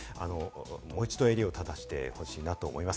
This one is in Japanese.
もう一度、襟を正してほしいなと思います。